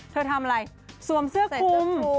เธอทำอะไรสวมเสื้อคลุม